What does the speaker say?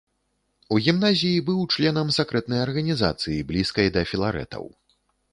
У гімназіі быў членам сакрэтнай арганізацыі блізкай да філарэтаў.